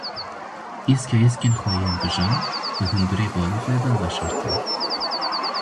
Îskeîskên xwe yên bi jan, di hundirê balîfê de veşartin.